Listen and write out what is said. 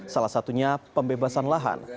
salah satunya pembebasan lahan